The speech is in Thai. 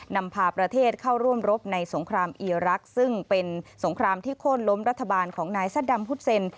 นำพาประเทศเข้าร่วมรบในสงครามอีรักษ์ซึ่งเป็นสงครามที่โค้นล้มรัฐบาลของนายซัดดำฮุดเซน